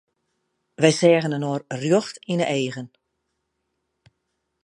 Wy seagen inoar rjocht yn 'e eagen.